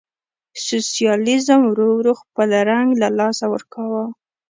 سوسیالیزم ورو ورو خپل رنګ له لاسه ورکاوه.